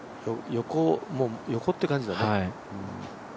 横っていう感じだね。